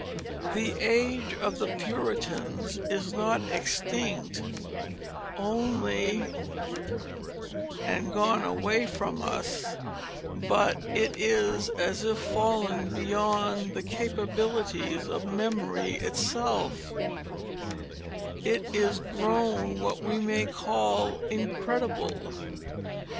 The Age of the Puritans is not extinct only and gone away from us, but it is as if fallen beyond the capabilities of memory itself; it is grown what we may call incredible.